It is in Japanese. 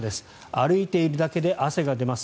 歩いているだけで汗が出ます。